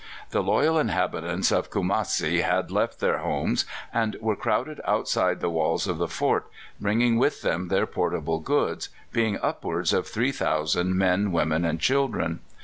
The loyal inhabitants of Kumassi had left their homes, and were crowded outside the walls of the fort, bringing with them their portable goods, being upwards of 3,000 men, women, and children.